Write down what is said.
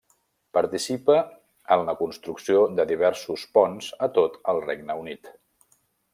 Participa en la construcció de diversos ponts a tot el Regne Unit.